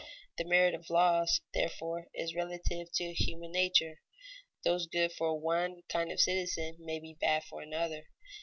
The merit of laws, therefore, is relative to human nature; those good for one kind of citizens may be bad for another.